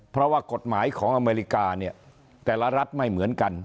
เพราะว่ากฎหมายของอเมริกาเนี่ยแต่ละรัฐไม่เหมือนกัน